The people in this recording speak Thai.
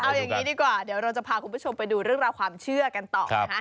เอาอย่างนี้ดีกว่าเดี๋ยวเราจะพาคุณผู้ชมไปดูเรื่องราวความเชื่อกันต่อนะฮะ